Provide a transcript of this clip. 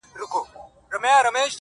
• دا غرونه ، غرونه دي ولاړ وي داسي.